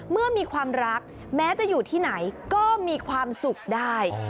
เมื่อมีความรักแม้จะอยู่ที่ไหนก็มีความสุขได้